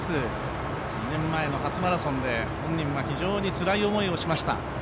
２年前の初マラソンで本人は非常に厳しい思いをしました。